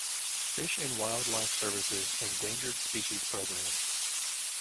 Fish and Wildlife Service's endangered species program.